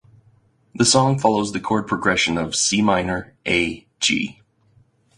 The song follows the chord progression of Cm–A–G.